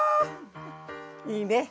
いいね。